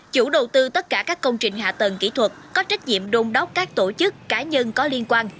chủ đầu tư tất cả các công trình hạ tầng kỹ thuật có trách nhiệm đôn đốc các tổ chức cá nhân có liên quan